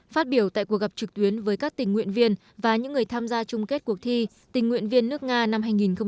phát biểu tại cuộc gặp trực tuyến với các tình nguyện viên và những người tham gia chung kết cuộc thi tình nguyện viên nước nga năm hai nghìn một mươi chín